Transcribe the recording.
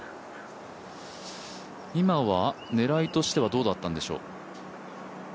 今は狙いとしてはどうだったんでしょう？